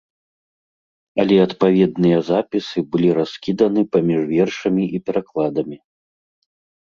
Але адпаведныя запісы былі раскіданы паміж вершамі і перакладамі.